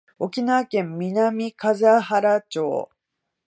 沖縄県南風原町